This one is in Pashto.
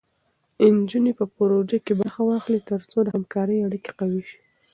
نجونې په پروژو کې برخه واخلي، تر څو د همکارۍ اړیکې قوي شي.